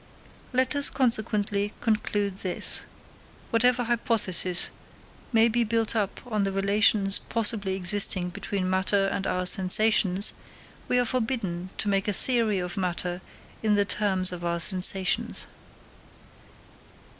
Let us, consequently, conclude this: whatever hypothesis may be built up on the relations possibly existing between matter and our sensations, we are forbidden to make a theory of matter in the terms of our sensations.